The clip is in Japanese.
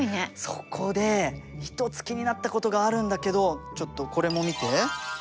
そこで一つ気になったことがあるんだけどちょっとこれも見て。